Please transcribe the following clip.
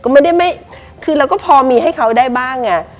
ก็ไม่ได้ไม่คือเราก็พอมีให้เขาได้บ้างไง